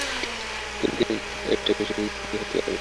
সত্যি বলতে, এটা বেশি কিছু হতে পারে না।